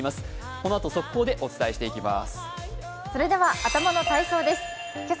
このあと速報でお伝えしていきます。